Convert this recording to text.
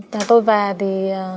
và tôi về thì